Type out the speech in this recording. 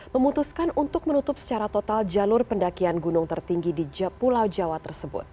memutuskan untuk menutup secara total jalur pendakian gunung tertinggi di pulau jawa tersebut